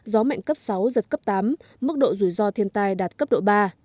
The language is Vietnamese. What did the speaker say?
gió mạnh cấp sáu giật cấp tám mức độ rủi ro thiên tai đạt cấp độ ba